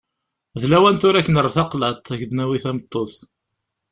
D lawan tura ad k-nerr taqlaḍt, ad k-d-nawi tameṭṭut.